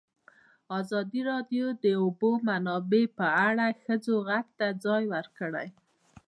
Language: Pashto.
ازادي راډیو د د اوبو منابع په اړه د ښځو غږ ته ځای ورکړی.